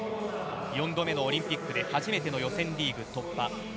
４度目のオリンピックで初めての予選リーグ突破。